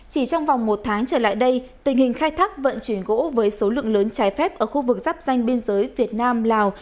chỉ trong vòng một tháng trở lại đây tình hình khai thác vận chuyển gỗ với số lượng lớn trái phép ở khu vực giáp danh biên giới việt nam lào